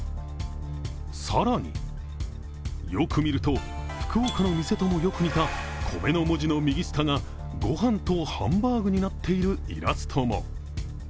更に、よく見ると福岡の店ともよく似た「米」の文字の右下が御飯とハンバーグになっているイラストも。